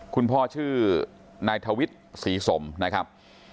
พ่อชื่อนายทวิทย์ศรีสมนะครับ